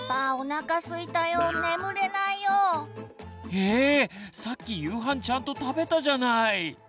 「えさっき夕飯ちゃんと食べたじゃない」。